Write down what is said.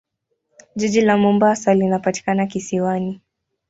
Jiji la Mombasa linapatikana kisiwani.